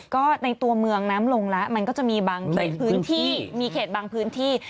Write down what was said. ก็ในตัวเมืองน้ำลงแล้วมันก็จะมีบางเขตพื้นที่มีเขตบางพื้นที่